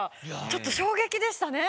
ちょっと衝撃でしたね。